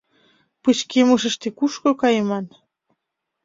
Пычкемышыште кушко кайыман?